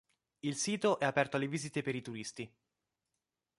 Il sito è aperto alle visite per i turisti.